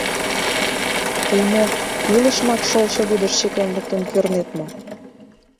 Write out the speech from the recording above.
Тый мо, илышымак шолшо вӱдыш чыкен луктын кӱрнет мо?